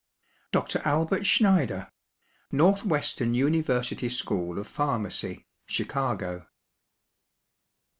DR. ALBERT SCHNEIDER, Northwestern University School of Pharmacy, Chicago.